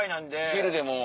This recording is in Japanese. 昼でもう。